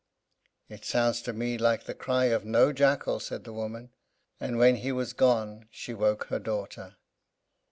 "It sounds to me like the cry of no jackal," said the woman; and when he was gone she woke her daughter.